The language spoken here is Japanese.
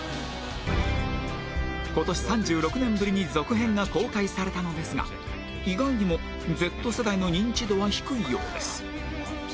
今年３６年ぶりに続編が公開されたのですが意外にも Ｚ 世代の認知度は低いようです